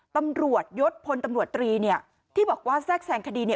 ตำรวจยศพลตำรวจตรีที่บอกว่าแทรกแสงคดี